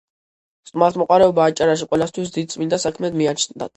სტუმართმოყვარეობა აჭარაში ყველასთვის დიდ წმინდა საქმედ მიაჩნდათ